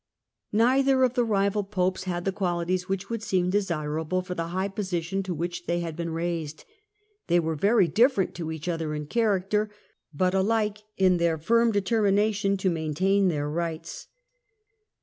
Neither of the rival Popes had the qualities which would seem desirable for the high position to which they had been raised. They were very different to each other in character, but alike in their firm determination to maintain their rights.